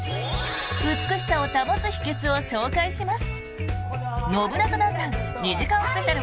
美しさを保つ秘けつを紹介します。